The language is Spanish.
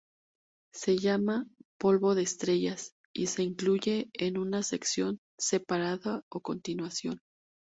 Se llama "polvo de estrellas" y se incluye en una sección separada a continuación.